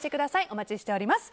お待ちしております。